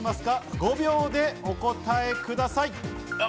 ５秒でお答えください。